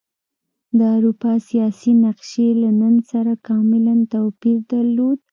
د اروپا سیاسي نقشې له نن سره کاملا توپیر درلود.